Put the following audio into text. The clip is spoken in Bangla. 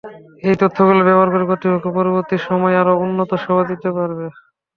এই তথ্যগুলো ব্যবহার করে কর্তৃপক্ষ পরবর্তী সময় আরও উন্নত সেবা দিতে পারবে।